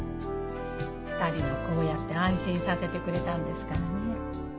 ２人もこうやって安心させてくれたんですからね。